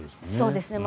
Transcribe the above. そうですね。